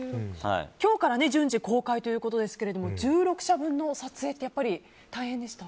今日から順次公開ということですが１６社分の撮影って大変でした？